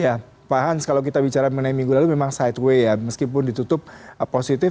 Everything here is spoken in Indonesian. ya pak hans kalau kita bicara mengenai minggu lalu memang sideway ya meskipun ditutup positif